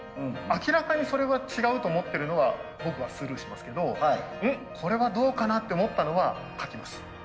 明らかにそれは違うと思ってるのは僕はスルーしますけど「うん？これはどうかな」って思ったのは書きます。